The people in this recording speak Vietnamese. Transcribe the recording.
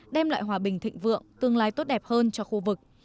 đem lại hòa bình thịnh vượng tương lai tốt đẹp hơn cho khu vực